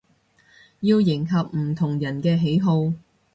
要迎合唔同人嘅喜好